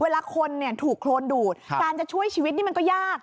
เวลาคนถูกโครนดูดการจะช่วยชีวิตนี่มันก็ยาก